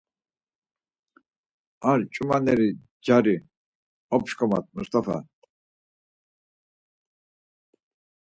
A ç̌umaneri cari opşǩomat Must̆afa.